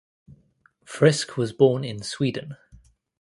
Frisk was born in Sweden.